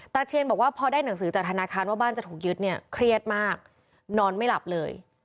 เชียนบอกว่าพอได้หนังสือจากธนาคารว่าบ้านจะถูกยึดเนี่ยเครียดมากนอนไม่หลับเลย